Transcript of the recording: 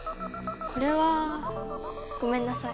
これはごめんなさい。